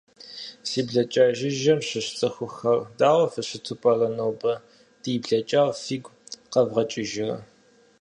Си блакӏа жыжьэм щыщ цӏыхухэр, дау фыщыту пӏэрэ нобэ - ди блэкӏар фигу къэвгъэкӏыжырэ?